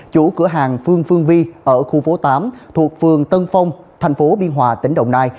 chủ cửa hàng phương phương vi ở khu phố tám thuộc phường tân phong thành phố biên hòa tỉnh đồng nai